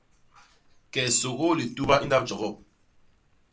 Kee sôgôô lituba i ndap jogop.